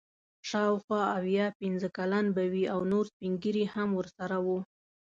شاوخوا اویا پنځه کلن به وي او نور سپین ږیري هم ورسره وو.